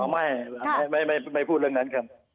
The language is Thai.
ไม่ไม่พูดเรื่องนั้น